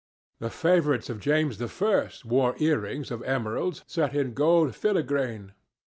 The favourites of James I wore ear rings of emeralds set in gold filigrane.